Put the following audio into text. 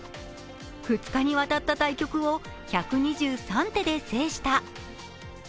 ２日にわたった対局を１２３手で制した。